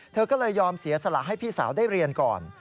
เธอก็เลยยอมเสียสละให้พี่สาวได้เรียนก่อน